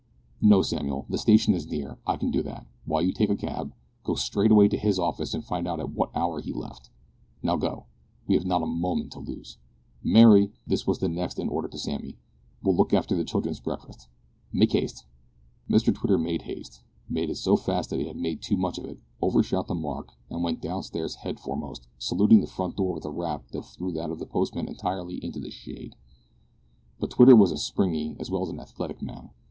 "No, Samuel, the station is near. I can do that, while you take a cab, go straight away to his office and find out at what hour he left. Now, go; we have not a moment to lose. Mary," (this was the next in order to Sammy), "will look after the children's breakfast. Make haste!" Mr Twitter made haste made it so fast that he made too much of it, over shot the mark, and went down stairs head foremost, saluting the front door with a rap that threw that of the postman entirely into the shade. But Twitter was a springy as well as an athletic man.